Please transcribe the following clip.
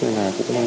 cũng nhanh hơn